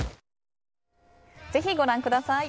ぜひご覧ください。